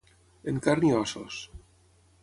En carn i ossos.